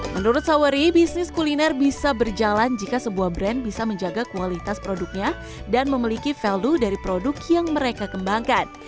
menurut sawari bisnis kuliner bisa berjalan jika sebuah brand bisa menjaga kualitas produknya dan memiliki value dari produk yang mereka kembangkan